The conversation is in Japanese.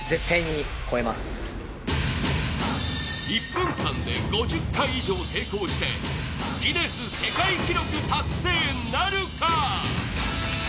１分間で５０回以上成功してギネス世界記録達成なるか？